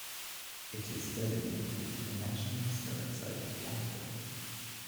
It is designated a National Historic Site of Canada.